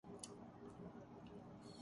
اس کا چہرہ بشاشت سے بھر پور اور جاب نظر تھا